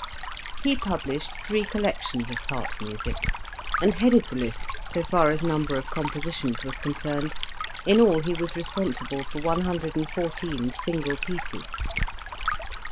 He published three collections of part music, and headed the list so far as number of compositions was con cerned, in all he was responsible for 114 single pieces.